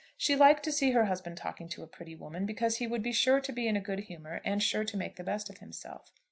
She liked to see her husband talking to a pretty woman, because he would be sure to be in a good humour and sure to make the best of himself.